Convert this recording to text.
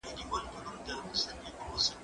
زه تکړښت کړي دي!